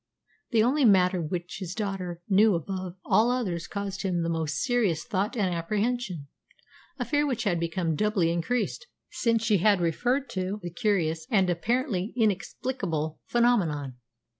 That one matter which his daughter knew above all others caused him the most serious thought and apprehension a fear which had become doubly increased since she had referred to the curious and apparently inexplicable phenomenon.